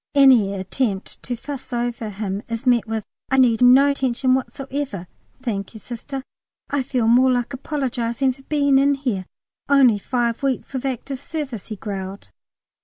Any attempt to fuss over him is met with "I need no attention whatever, thank you, Sister. I feel more like apologising for being in here. Only five weeks of active service," he growled.